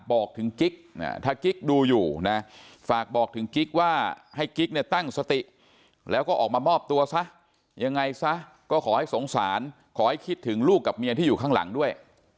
ให้กิ๊กเนี่ยตั้งสติแล้วก็ออกมามอบตัวซะยังไงซะก็ขอให้สงสารขอให้คิดถึงลูกกับเมียที่อยู่ข้างหลังด้วย